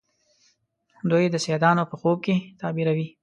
دوی د سیدانو په خوب کې تعبیروي.